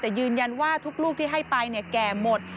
แต่ยืนยันว่าทุกลูกที่ให้ไปแก่หมด